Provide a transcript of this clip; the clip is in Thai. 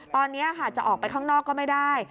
ตอนนี้ค่ะจะออกไปข้างนอกก็ไม่ได้